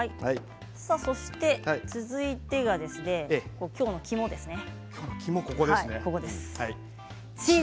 そして続いては今日の肝ですね。